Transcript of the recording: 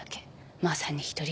まさに一人勝ち。